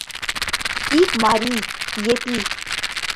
Ик марий — Епи.